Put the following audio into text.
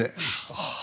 はあ。